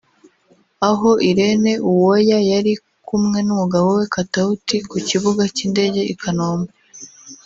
Aha Irene Uwoya yari kumwe n'umugabo we Katauti ku kibuga cy'indege i Kanombe